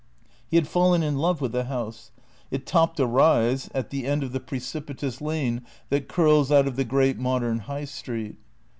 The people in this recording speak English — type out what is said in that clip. He had fallen in love with the house. It topped a rise, at the end of the precipitous lane that curls out of the great modern High Street.